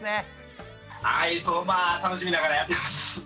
はいそうまあ楽しみながらやってます。